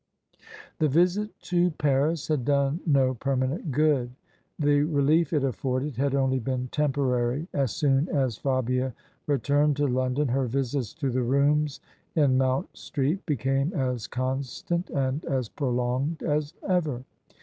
The visit to Paris had done no permanent good. The relief it afforded had only been temporary. As soon as Fabia returned to London her visits to the rooms in Moimt Street became as constant and as prolonged as ever.